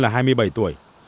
là hai mươi bảy tuổi